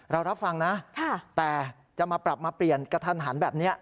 รับฟังนะแต่จะมาปรับมาเปลี่ยนกระทันหันแบบนี้